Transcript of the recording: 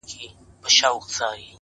د ژوندون ساه او مسيحا وړي څوك؛